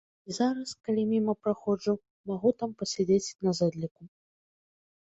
І зараз, калі міма праходжу, магу там пасядзець на зэдліку.